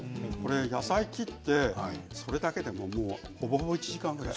野菜を切って、それだけでもほぼほぼ１時間くらい。